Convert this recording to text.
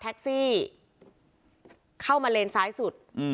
แซ็คเอ้ยเป็นยังไงไม่รอดแน่